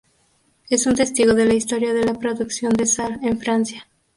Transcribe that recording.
Es un testigo de la historia de la producción de sal en Francia.